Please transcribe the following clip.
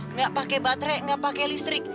nggak pakai baterai nggak pakai listrik